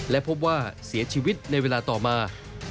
และพบว่าเสียชีวิตในเวลาต่อมา